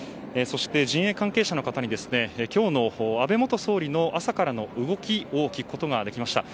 陣営関係者の方に今日の安倍元総理の朝からの動きを聞くことができました。